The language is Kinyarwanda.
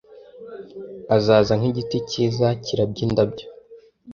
azaza nk'igiti cyiza kirabya indabyo